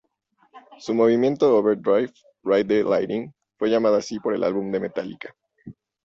Su Movimiento Overdrive, Ride the Lightning, fue llamado así por el álbum de Metallica.